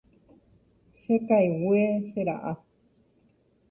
Chekaigue, che ra'a.